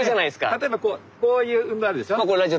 例えばこうこういう運動あるでしょ？